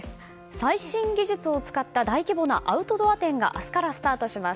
最新技術を使った大規模なアウトドア展が明日からスタートします。